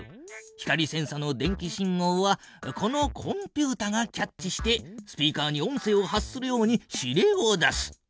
光センサの電気信号はこのコンピュータがキャッチしてスピーカーに音声を発するように指令を出す。